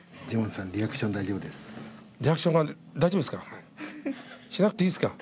リアクションが大丈夫ですか？